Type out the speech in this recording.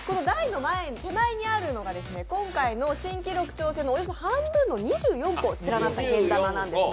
手前にあるのが、今回の新記録挑戦のおよそ半分の２４個が連なったけん玉なんですね。